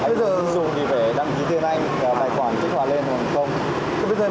bây giờ dùng thì phải đăng ký thêm anh tài khoản kích hoạt lên hoặc không